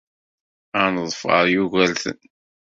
Ad neḍfer Yugurten.